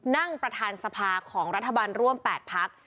นั่งประธานสภาของรัฐบาลร่วม๘พัก